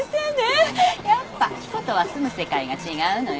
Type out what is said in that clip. やっぱ彦とは住む世界が違うのよ。